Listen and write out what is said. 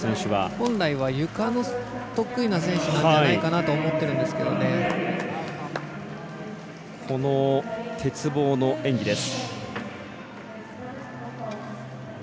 本来は、ゆかの得意な選手じゃないかなとこの鉄棒の演技です。